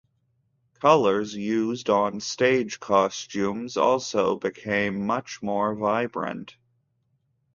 Colors used on stage costumes also became much more vibrant.